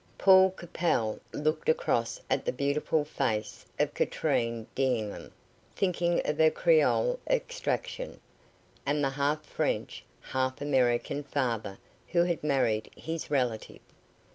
Paul Capel looked across at the beautiful face of Katrine D'Enghien, thinking of her creole extraction, and the half French, half American father who had married his relative.